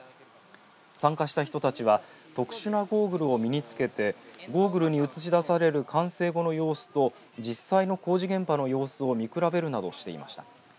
参加した人たちは特殊なゴーグルを身につけてゴーグルに映し出される完成後の様子と実際の工事現場の様子を見比べるなどしていました。